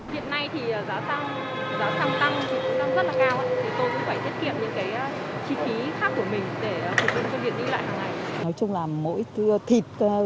hiện nay thì giá xăng tăng rất là cao tôi cũng phải thiết kiệm những chi phí khác của mình để phục vụ cho việc đi lại hàng ngày